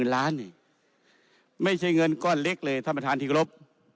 ๕๖๐๐๐๐ล้านไม่ใช่เงินก้อนเล็กเลยท่านประธานที่รบ